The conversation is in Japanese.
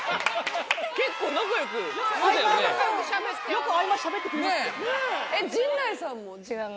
よく合間しゃべってくれました。